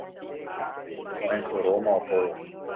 ko'ẽsoróma ohóvo